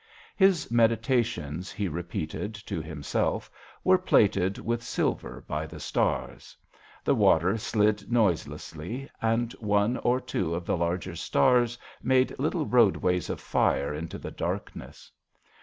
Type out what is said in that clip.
His meditations, he repeated, to himself, were plated with silver by the stars. The water slid noiselessly, and one or two of the larger stars made little roadways of fire into the darkness.